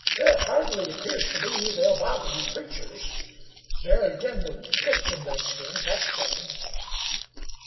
"It hardly 'pears to me they'll bother you preachers. They're agin the Christian redskins, that's plain."